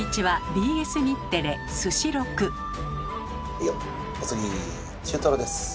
はいよお次中トロです。